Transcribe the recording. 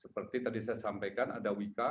seperti tadi saya sampaikan ada wika